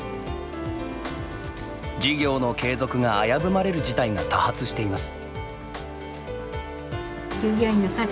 事業の継続が危ぶまれる事態が多発しています。